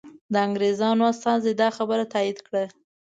د انګریزانو استازي دا خبر تایید کړ.